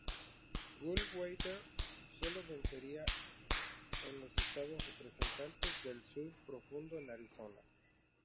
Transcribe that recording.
Goldwater solo vencería en los estados representantes del Sur Profundo y en Arizona.